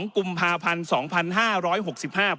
กุมภาพันธ์๒๕๖๕